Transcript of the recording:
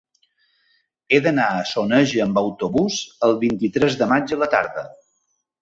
He d'anar a Soneja amb autobús el vint-i-tres de maig a la tarda.